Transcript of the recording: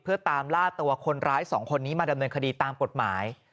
เพื่อตามล่าตัวคนร้ายสองคนนี้มาดำเนินคดีตามกฎหมาย